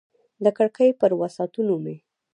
د کړکۍ پر وسعتونو مې